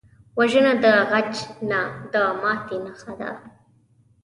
وژنه د غچ نه، د ماتې نښه ده